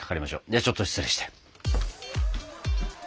ではちょっと失礼して。